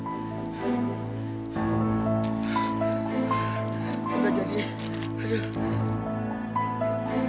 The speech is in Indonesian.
tunggu aja nih